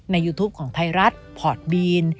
ยูทูปของไทยรัฐพอร์ตบีน